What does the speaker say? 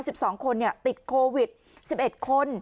สิบสองคนเนี่ยติดโควิดสิบเอ็ดคน